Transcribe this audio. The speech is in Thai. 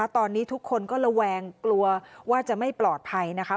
ตอนนี้ทุกคนก็ระแวงกลัวว่าจะไม่ปลอดภัยนะคะ